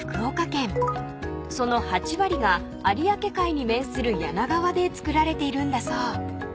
［その８割が有明海に面する柳川でつくられているんだそう］